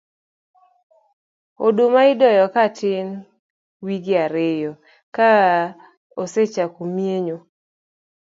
oduma idoyo ga katin to wige ariyo ka osechako mienyo